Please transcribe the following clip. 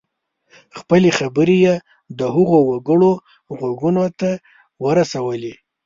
خپلې خبرې یې د هغو وګړو غوږونو ته ورسولې.